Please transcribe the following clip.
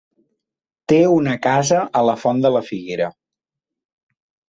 Té una casa a la Font de la Figuera.